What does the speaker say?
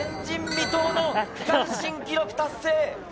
前人未到の区間新記録達成。